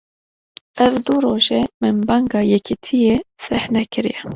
Ev du roj e, min banga yekîtiyê seh nekiriye